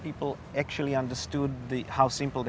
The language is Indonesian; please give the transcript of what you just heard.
betapa mudah konsepnya